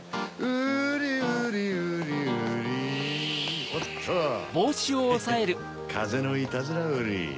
ウリウリウリウリおっとヘヘっかぜのいたずらウリ。